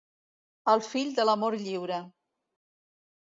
El fill de l'amor lliure.